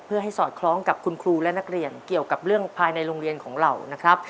เพื่อให้สอดคล้องกับคุณครูและนักเรียนเกี่ยวกับเรื่องภายในโรงเรียนของเรานะครับ